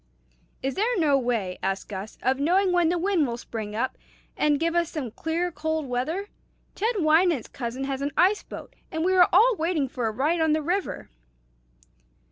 "Is there no way," asked Gus, "of knowing when the wind will spring up, and give us some clear cold weather? Ted Wynant's cousin has an ice boat, and we are all waiting for a ride on the river."